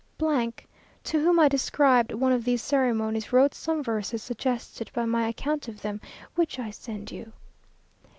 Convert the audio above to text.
, to whom I described one of these ceremonies, wrote some verses, suggested by my account of them, which I send you.